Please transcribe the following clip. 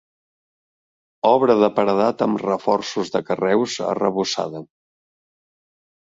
Obra de paredat amb reforços de carreus, arrebossada.